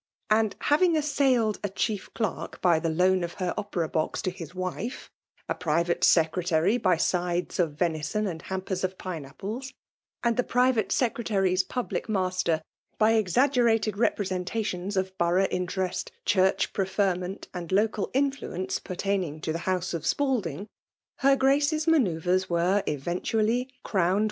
and, having assailed a chief clerk by the loan of hdr Opera box to liis wife ; a private secretary, by sides of venison and hampers of pine apples ; and the private secretary's public master, by exaggerated representations of borough in terest, church preferment, and local influence pertaining to the house of Spalding, her Grace's manoeuvres were eventually crowned 270 FEMALE DOMINATION.